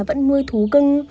vẫn nuôi thú cưng